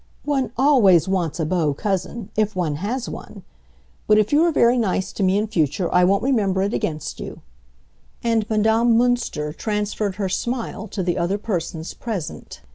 "One always wants a beau cousin,—if one has one! But if you are very nice to me in future I won't remember it against you." And Madame Münster transferred her smile to the other persons present.